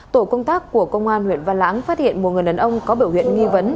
tổ công tác của công an huyện văn lãng phát hiện một người đàn ông có biểu hiện nghi vấn